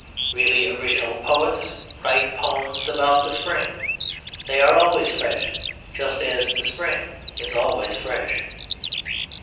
Really original poets write poems about the spring. They are always fresh, just as the spring is always fresh.